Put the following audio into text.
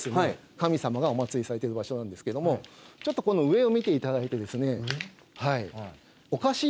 神様がお祭りされてる場所なんですけどもこの上を見ていただいてですね。